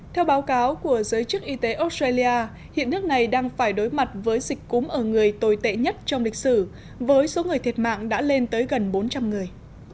theo báo cáo của giới chức y tế australia hiện nước này đang phải đối mặt với dịch cúm ở người tồi tệ nhất trong lịch sử với số người thiệt mạng đã lên tới gần bốn trăm linh người